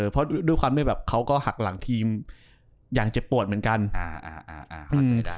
เพราะด้วยความที่แบบเขาก็หักหลังทีมอย่างเจ็บปวดเหมือนกัน